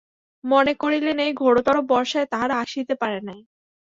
মনে করিলেন, এই ঘোরতর বর্ষায় তাহারা আসিতে পারে নাই।